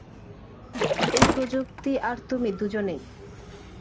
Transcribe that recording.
এই প্রযুক্তি আর তুমি, দুইজনেই।